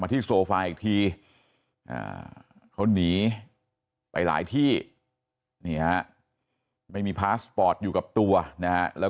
ที่โซฟาอีกทีเขาหนีไปหลายที่นี่ฮะไม่มีพาสปอร์ตอยู่กับตัวนะฮะแล้ว